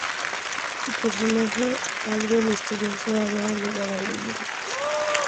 Su personaje, algo misterioso, ha dado lugar a leyendas.